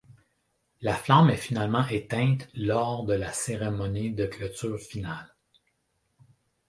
La flamme est finalement éteinte lors de la cérémonie de clôture finale.